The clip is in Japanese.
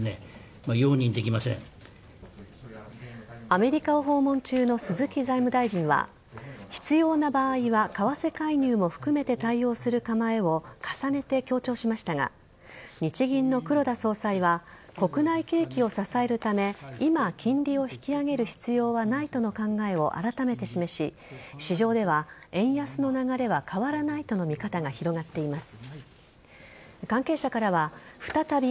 アメリカを訪問中の鈴木財務大臣は必要な場合は為替介入も含めて対応する構えを重ねて強調しましたが日銀の黒田総裁は国内景気を支えるため今、金利を引き上げる必要はないとの考えをあらためて示し市場では円安の流れは変わらないとの見方が広がっています。